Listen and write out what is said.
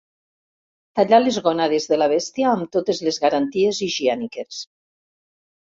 Tallar les gònades de la bèstia amb totes les garanties higièniques.